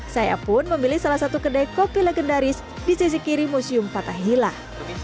saya pun memilih salah satu kedai kopi legendaris di sisi kiri museum fathahilah